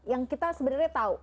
yang kita sebenarnya tahu